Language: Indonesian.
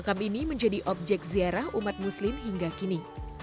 makam ini menjadi objek ziarah umat muslim hingga kini